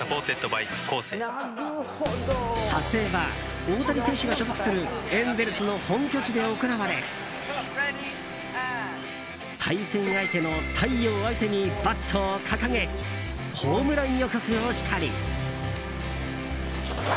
撮影は、大谷選手が所属するエンゼルスの本拠地で行われ対戦相手の太陽相手にバットを掲げホームラン予告をしたり。